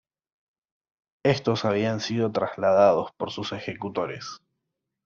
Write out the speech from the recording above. Estos habían sido trasladados por sus ejecutores.